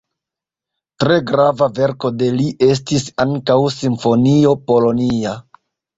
Tre grava verko de li estis ankaŭ simfonio "Polonia".